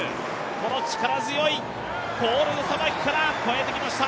この力強いポールのさばきから、超えてきました。